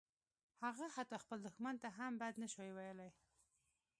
هغه حتی خپل دښمن ته هم بد نشوای ویلای